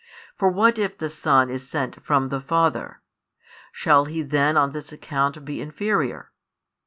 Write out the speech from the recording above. For what if the Son is sent from the Father? Shall He then on this account be inferior?